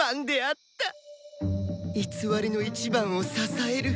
「偽りの１番を支える」